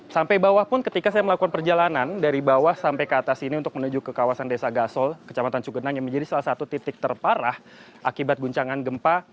sampai bawah pun ketika saya melakukan perjalanan dari bawah sampai ke atas ini untuk menuju ke kawasan desa gasol kecamatan cugenang yang menjadi salah satu titik terparah akibat guncangan gempa